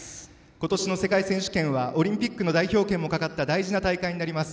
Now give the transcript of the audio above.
今年の世界選手権はオリンピックの代表もかかった大事な大会になります。